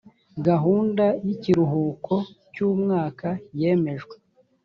gahunda y ikiruhuko cy umwaka yemejwe